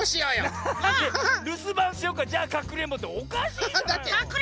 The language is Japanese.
るすばんしようかじゃあかくれんぼっておかしいじゃないの！